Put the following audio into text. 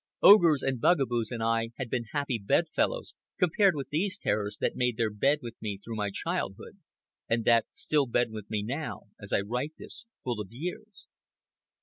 Ogres and bugaboos and I had been happy bed fellows, compared with these terrors that made their bed with me throughout my childhood, and that still bed with me, now, as I write this, full of years.